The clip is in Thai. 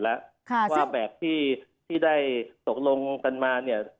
และว่าแบบที่ที่ได้ตกลงกันมา